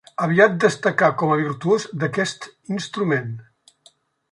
Aviat destacà com a virtuós d'aquest instrument.